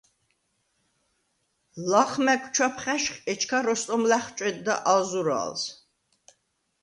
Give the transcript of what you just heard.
ლახ მა̈გ ჩვაფხა̈ჟ, ეჩქა როსტომ ლა̈ხჭვედდა ალ ზურა̄ლს: